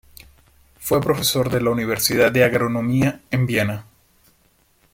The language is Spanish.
Fue profesor de la Universidad de Agronomía en Viena.